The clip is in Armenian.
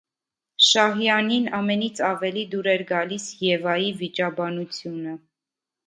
Շահյանին ամենից ավելի դուր էր գալիս Եվայի վիճաբանությունը: